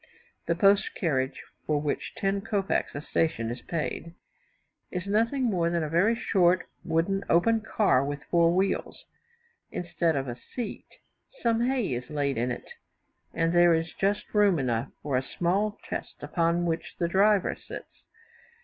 The post carriage, for which ten kopecs a station is paid, is nothing more than a very short, wooden, open car, with four wheels. Instead of a seat, some hay is laid in it, and there is just room enough for a small chest, upon which the driver sits.